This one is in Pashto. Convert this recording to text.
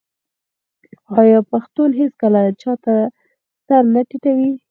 آیا پښتون هیڅکله چا ته سر نه ټیټوي؟